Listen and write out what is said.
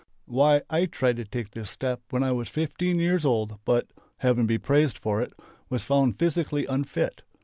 Why, I tried to take this step when I was fifteen years old but heaven be praised for it was found physically unfit.